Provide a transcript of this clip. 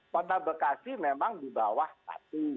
kota bekasi memang di bawah satu